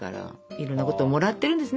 いろんなこともらってるんですね。